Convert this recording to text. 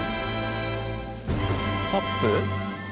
サップ？